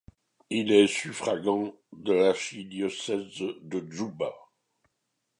Il est suffragant de l'archidiocèse de Djouba.